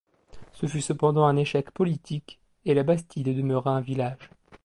Ce fut cependant un échec politique et la bastide demeura un village.